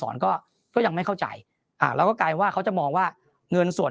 ก่อนก็ก็ยังไม่เข้าใจอ่าแล้วก็กลายว่าเขาจะมองว่าเงินส่วน